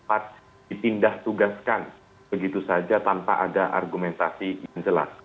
atau dipindah tugaskan begitu saja tanpa ada argumentasi yang jelas